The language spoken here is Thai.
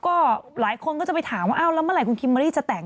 ก็หลายคนก็จะไปถามว่าอ้าวแล้วเมื่อไหรคุณคิมเบอร์รี่จะแต่ง